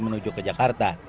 menuju ke jakarta